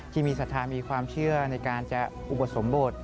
ศรัทธามีความเชื่อในการจะอุปสมบท